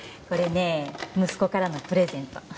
これね息子からのプレゼント。